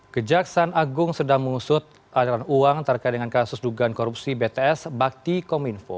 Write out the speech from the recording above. kejaksaan agung sedang mengusut aliran uang terkait dengan kasus dugaan korupsi bts bakti kominfo